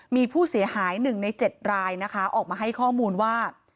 มีผู้เสียหาย๑ใน๗รายนะคะออกมาให้ข้อมูลว่า